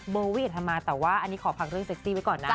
วี่อัธมาแต่ว่าอันนี้ขอฟังเรื่องเซ็กซี่ไว้ก่อนนะ